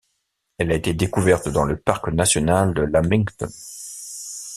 Elle a été découverte dans le parc national de Lamington.